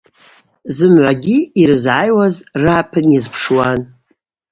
Зымгӏвагьи йрызгӏайуаз рыгӏапын йазпшуан.